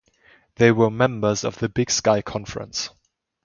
They were members of the Big Sky Conference.